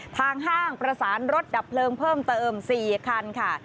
ห้างประสานรถดับเพลิงเพิ่มเติม๔คันค่ะ